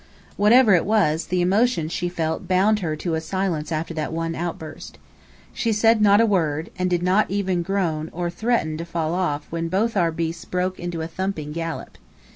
Whatever it was, the emotion she felt bound her to silence after that one outburst. She said not a word, and did not even groan or threaten to fall off when both our beasts broke into a thumping gallop.